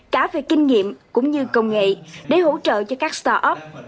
cả về kinh nghiệm cũng như công nghệ để hỗ trợ cho các start up